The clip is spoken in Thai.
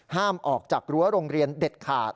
ห้ามออกจากรั้วโรงเรียนเด็ดขาด